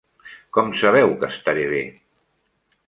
Com sabeu que estaré bé?